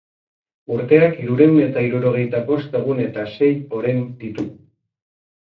Urteak hirurehun eta hirurogeita bost egun eta sei oren ditu,.